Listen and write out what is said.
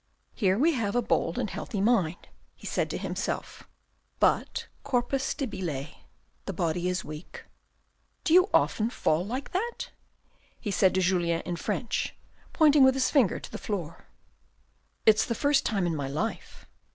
"Here we have a bold and healthy mind," he said to himself, " but corpus debile " (the body is weak). " Do you often fall like that ?" he said to Julien in French, pointing with his finger to the floor. " It's the first time in my life.